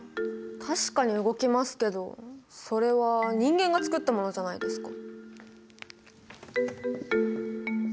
確かに動きますけどそれは人間が作ったものじゃないですか。